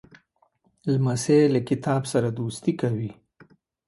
لمسی له کتاب سره دوستي کوي.